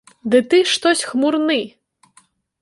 Ды ты штось хмурны?